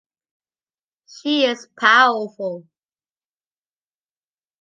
She is powerful.